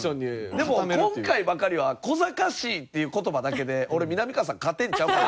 でも今回ばかりはこざかしいっていう言葉だけで俺みなみかわさん勝てるんちゃうかなと。